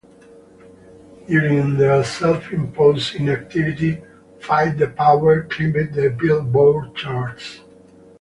During their self-imposed inactivity, "Fight the Power" climbed the "Billboard" charts.